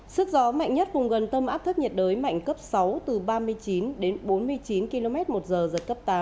sức gió mạnh nhất vùng gần tâm áp thấp nhiệt đới mạnh cấp sáu từ ba mươi chín đến bốn mươi chín km một giờ giật cấp tám